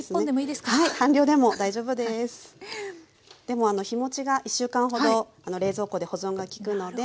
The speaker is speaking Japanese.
でも日もちが１週間ほど冷蔵庫で保存が利くので。